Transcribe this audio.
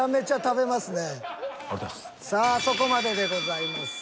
さあそこまででございます。